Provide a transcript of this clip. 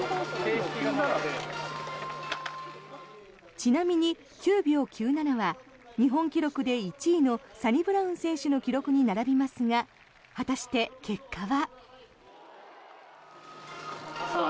ちなみに９秒９７は日本記録で１位のサニブラウン選手の記録に並びますが果たして、結果は？